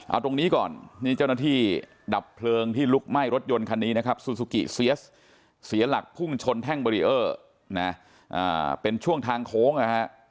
เอาตรงนี้ก่อนนี่เจ้านอทีดับเครื่องที่ลุกไหม้รถยนต์คันนี้นะครับซูซุกี้เสียาะหลักผู้คุ้มชนแท่งบลีเอ้อนะเป็นช่วงทางโค้งนะฮะ